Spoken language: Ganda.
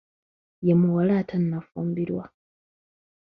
Ye muwala atannafumbirwa.